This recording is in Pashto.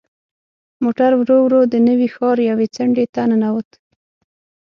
موټر ورو ورو د نوي ښار یوې څنډې ته ننوت.